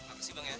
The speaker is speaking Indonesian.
bagus sih bang ya